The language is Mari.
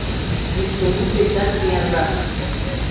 Йӱштымуж дечат виянрак.